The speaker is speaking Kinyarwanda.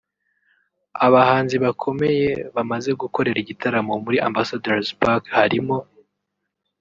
Abahanzi bakomeye bamaze gukorera igitaramo muri Ambassador's Park harimo